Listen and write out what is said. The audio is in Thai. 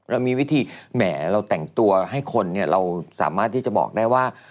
เรามีวิธีแหมเราแต่งตัวให้คนเนี่ยเราสามารถที่จะบอกได้ว่า